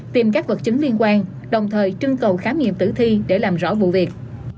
tìm các vật chứng liên quan đồng thời trưng cầu khám nghiệm tử thi để làm rõ vụ việc